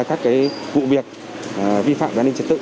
các vụ việc vi phạm an ninh trật tự